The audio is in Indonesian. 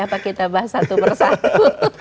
apa kita bahas satu persatu